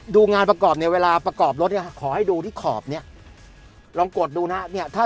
ดูงานประกอบในเวลาประกอบรถเนี้ยค่ะขอให้ดูที่ขอบเนี้ยลองกดดูนะ